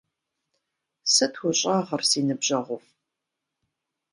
Сыт ущӀэгъыр си ныбжьэгъуфІ?